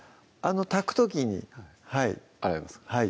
炊く時にはい洗いますか？